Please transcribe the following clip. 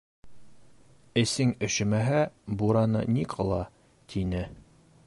— Эсең өшөмәһә, бураны ни ҡыла? — тине.